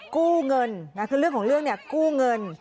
กู้เงินคือเรื่องของเรื่องเนี่ยกู้เงิน